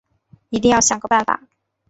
一定要想个办法